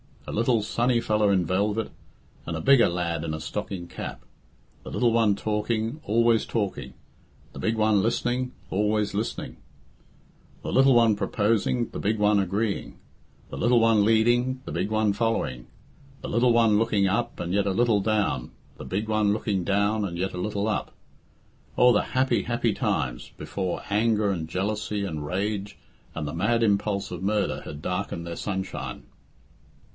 A little, sunny fellow in velvet, and a bigger lad in a stocking cap; the little one talking, always talking; the big one listening, always listening; the little one proposing, the big one agreeing; the little one leading, the big one following; the little one looking up and yet a little down, the big one looking down and yet a little up. Oh, the happy, happy times, before anger and jealousy and rage and the mad impulse of murder had darkened their sun shine!